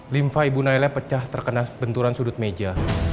limfa ibu nailah pecah terkena benturan sudut meja